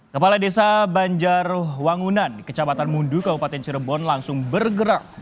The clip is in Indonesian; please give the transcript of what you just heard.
kepala desa banjarwangunan di kecabatan mundu kabupaten cirebon langsung bergerak